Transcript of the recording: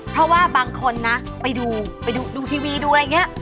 เพราะว่าบางคนนะไปดูไปดูทีวีดูอะไรอย่างนี้